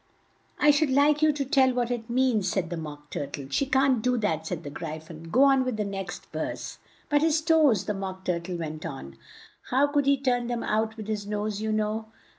"I should like you to tell what it means," said the Mock Tur tle. "She can't do that," said the Gry phon. "Go on with the next verse." "But his toes?" the Mock Tur tle went on. "How could he turn them out with his nose, you know?"